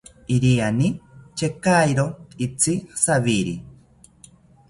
Iriani chekairo itzi javiri